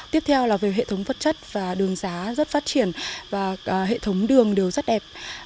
tiếp theo là về hệ thống vật chất và đường xá rất phát triển và hệ thống đường đều rất đẹp